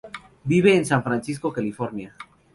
Vive en San Francisco, California.